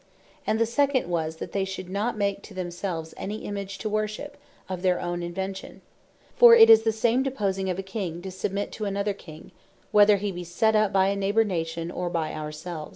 And the second was, that "they should not make to themselves any Image to Worship, of their own Invention." For it is the same deposing of a King, to submit to another King, whether he be set up by a neighbour nation, or by our selves.